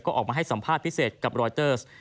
ก็ออกมาให้สัมภาษณ์พิเศษกับรอยเตอร์ส